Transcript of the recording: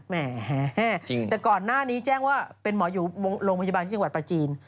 แหมแต่ก่อนหน้านี้แจ้งว่าเป็นหมออยู่โรงพยาบาลที่จังหวัดประจีน